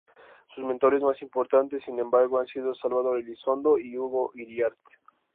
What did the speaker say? Sus mentores más importantes, sin embargo, han sido Salvador Elizondo y Hugo Hiriart.